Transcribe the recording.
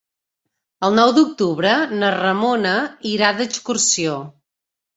El nou d'octubre na Ramona irà d'excursió.